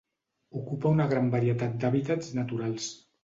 Ocupa una gran varietat d'hàbitats naturals.